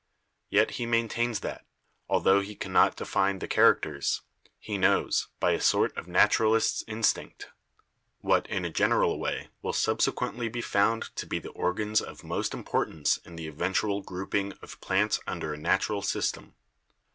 Yet he maintains that, altho he cannot define the characters, he knows, by a sort of naturalist's instinct, what in a general way will subsequently be found to be the organs of most importance in the eventual group ing of plants under a natural system.